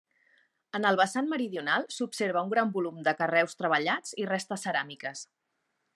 En el vessant meridional, s'observa un gran volum de carreus treballats i restes ceràmiques.